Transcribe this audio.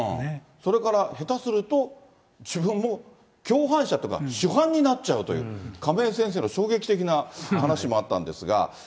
それから、下手すると、自分も共犯者とか、主犯になっちゃうという、亀井先生の衝撃的な話もあったんですが。